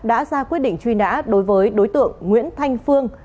đã ra quyết định truy nã đối với đối tượng nguyễn thanh phương